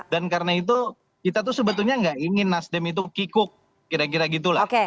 dan karena itu kita tuh sebetulnya gak ingin nasdem itu kikuk kira kira gitu lah